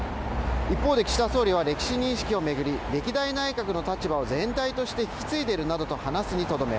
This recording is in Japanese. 一方で岸田総理は歴史認識を巡り歴代内閣の立場を全体として引き継いでいると述べるにとどめ